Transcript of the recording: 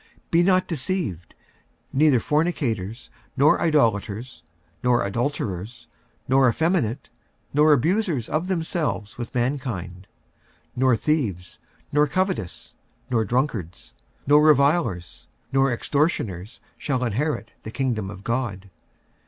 Be not deceived: neither fornicators, nor idolaters, nor adulterers, nor effeminate, nor abusers of themselves with mankind, 46:006:010 Nor thieves, nor covetous, nor drunkards, nor revilers, nor extortioners, shall inherit the kingdom of God.